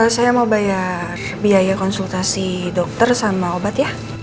saya mau bayar biaya konsultasi dokter sama obat ya